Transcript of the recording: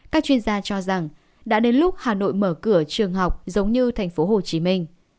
các chuyên gia cho rằng đã đến lúc hà nội mở cửa trường học giống như thành phố hồ chí minh